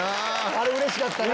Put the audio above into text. あれうれしかったな。